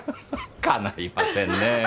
かないませんねぇ。